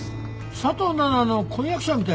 佐藤奈々の婚約者みたいだね。